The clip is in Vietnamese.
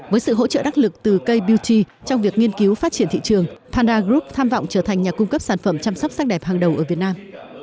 với sự hỗ trợ đắc lực từ k beauty trong việc nghiên cứu phát triển thị trường panda group tham vọng trở thành nhà cung cấp sản phẩm chăm sóc sắc đẹp hàng đầu ở việt nam